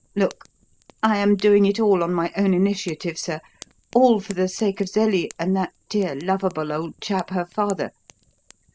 Look! I am doing it all on my own initiative, sir all for the sake of Zelie and that dear, lovable old chap, her father.